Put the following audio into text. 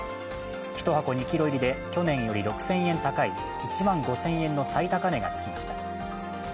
１箱２ｋｇ入りで去年より６０００円高い１万５０００円の最高値がつきました。